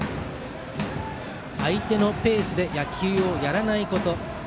相手のペースで野球をやらないこと。